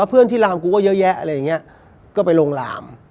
เพื่อนที่ลามกูก็เยอะแยะอะไรอย่างนี้ก็ไปลงราม